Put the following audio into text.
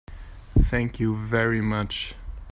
Thank you very much.